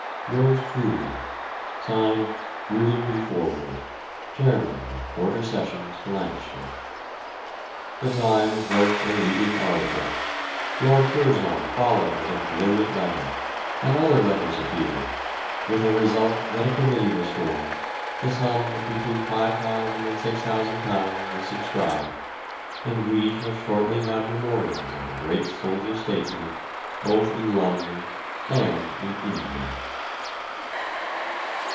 Yours truly, (Signed) WILLIAM B. FORWOOD, Chairman of Quarter Sessions for Lancashire. The Times wrote a leading article; Lord Curzon followed with a brilliant letter, and other letters appeared, with a result that a committee was formed, the sum of between £5,000 and £6,000 was subscribed, and we shall shortly have memorials of the great soldier statesman both in London and in India.